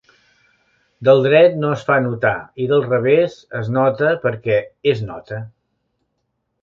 Del dret no es fa notar i del revés es nota perquè és nota.